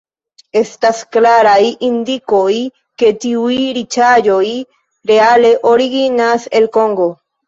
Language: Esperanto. Estas klaraj indikoj, ke tiuj riĉaĵoj reale originas el Kongo.